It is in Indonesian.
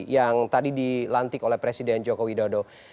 yang tadi dilantik oleh presiden joko widodo